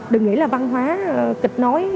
đừng nghĩ là văn hóa kịch nói